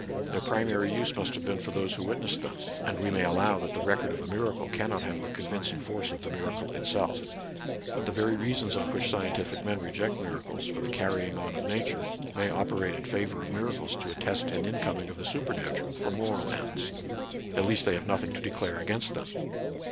Their primary use must have been for those who wit nessed them ; and we may allow that the record of a miracle cannot have the convincing force of the miracle itself. But the very reasons on which scientific men reject miracles for the carrying on of Nature may operate in favor of miracles to attest an incoming of the super natural for moral ends. At least they have nothing to declare against them.